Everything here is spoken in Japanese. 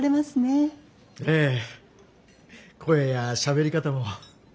ええ声やしゃべり方も。